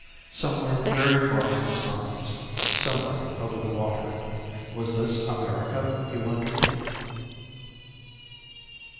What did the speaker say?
Somewhere very far from his mountains somewhere over the water. Was this America, he wondered?